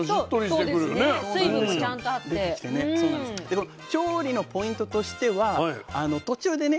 で調理のポイントとしては途中でね